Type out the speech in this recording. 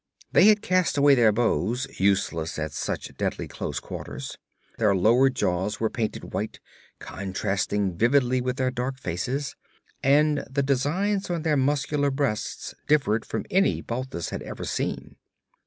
They had cast away their bows, useless at such deadly close quarters. Their lower jaws were painted white, contrasting vividly with their dark faces, and the designs on their muscular breasts differed from any Balthus had ever seen.